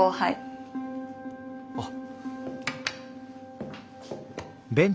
あっ。